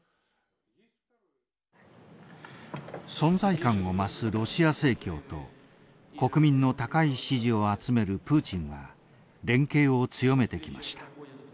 存在感を増すロシア正教と国民の高い支持を集めるプーチンは連携を強めてきました。